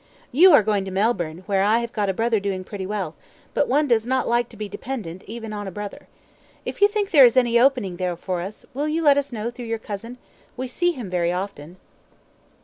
You are going to Melbourne, where I have got a brother doing pretty well; but one does not like to be dependent even on a brother. If you think there is any opening there for us, will you let us know through your cousin? we see him very often."